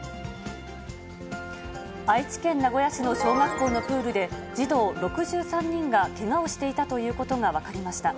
愛知県名古屋市の小学校のプールで、児童６３人がけがをしていたということが分かりました。